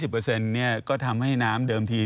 ก็ทำให้น้ำเดิมที